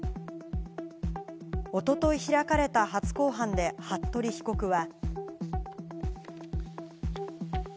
おととい開かれた初公判で服部被告は。